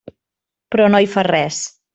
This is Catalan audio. Però no hi fa res.